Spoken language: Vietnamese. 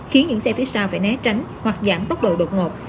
khiến những xe phía sau phải né tránh hoặc giảm tốc độ đột ngột